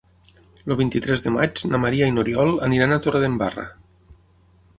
El vint-i-tres de maig na Maria i n'Oriol aniran a Torredembarra.